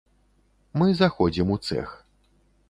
Мы заходзім у цэх.